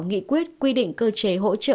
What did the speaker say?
nghị quyết quy định cơ chế hỗ trợ